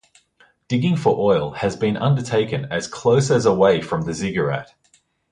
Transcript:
Digging for oil has been undertaken as close as away from the ziggurat.